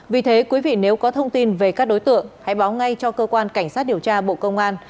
vì thế quý vị nếu có thông tin về các đối tượng hãy báo ngay cho cơ quan cảnh sát điều tra bộ công an